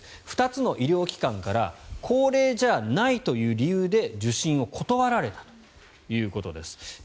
２つの医療機関から高齢じゃないという理由で受診を断られたということです